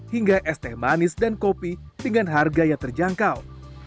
hingga es teh manis dan kopi dengan harga yang terjangkau